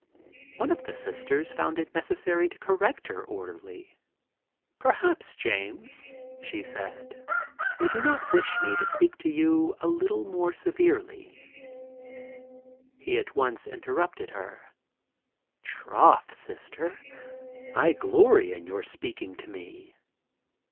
One of the Sisters found it necessary to correct her orderly. "Perhaps, James," she said, "you do not wish me to speak to you a little severely." He at once interrupted her: "Troth, Sister, I glory in your speaking to me.